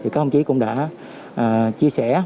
các đồng chí cũng đã chia sẻ